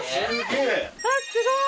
すごい！